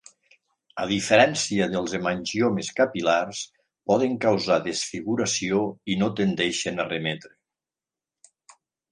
A diferència dels hemangiomes capil·lars, poden causar desfiguració i no tendeixen a remetre.